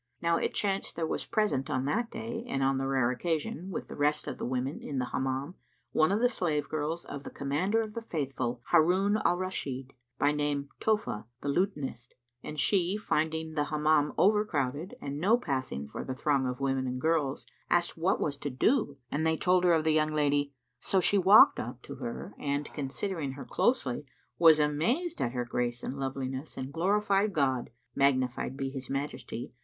Now it chanced there was present on that day and on that rare occasion with the rest of the women in the Hammam, one of the slave girls of the Commander of the Faithful, Harun al Rashid, by name Tohfah[FN#88] the Lutanist, and she, finding the Hammam over crowded and no passing for the throng of women and girls, asked what was to do; and they told her of the young lady. So she walked up to her and, considering her closely, was amazed at her grace and loveliness and glorified God (magnified be His majesty!)